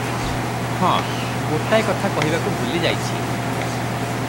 ହଁ, ଗୋଟାଏ କଥା କହିବାକୁ ଭୁଲି ଯାଇଛି ।